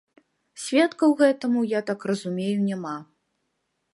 Сведкаў гэтаму, я так разумею, няма.